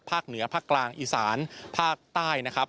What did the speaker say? เหนือภาคกลางอีสานภาคใต้นะครับ